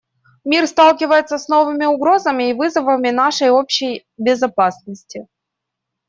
Мир сталкивается с новыми угрозами и вызовами нашей общей безопасности.